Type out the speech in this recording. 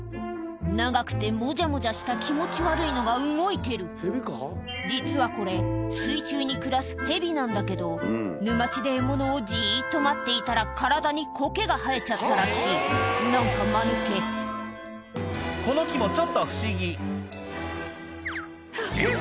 長くてもじゃもじゃした気持ち悪いのが動いてる実はこれ水中に暮らすヘビなんだけど沼地で獲物をじっと待っていたら体にコケが生えちゃったらしい何かマヌケこの木もちょっと不思議えっ！